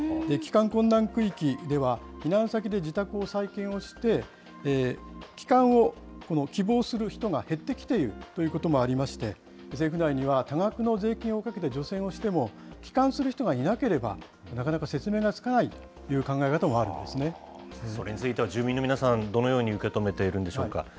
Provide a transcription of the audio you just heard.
帰還困難区域では、避難先で自宅を再建をして、帰還を希望する人が減ってきているということもありまして、政府内には、多額の税金をかけて除染をしても、帰還する人がいなければ、なかなか説明がつかないという考え方もあるんそれについては、住民の皆さん、どのように受け止めているんでしょうか。